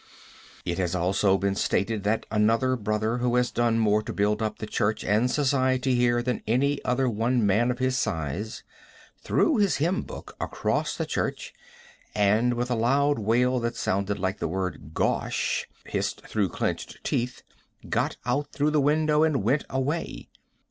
It has also been stated that another brother, who has done more to build up the church and society here than any other one man of his size, threw his hymn book across the church, and, with a loud wail that sounded like the word "Gosh!" hissed through clenched teeth, got out through the window and went away.